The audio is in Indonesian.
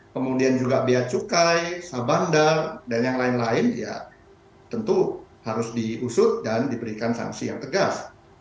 kemudian juga biaya cukai sabandal dan yang lain lain ya tentu harus diusut dan diberikan sanksi yang tegas